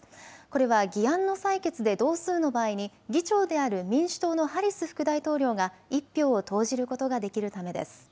これは議案の採決で同数の場合に議長である民主党のハリス副大統領が１票を投じることができるためです。